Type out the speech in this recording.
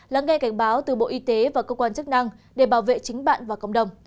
lắng nghe cảnh báo từ bộ y tế và cơ quan chức năng để bảo vệ chính bạn và cộng đồng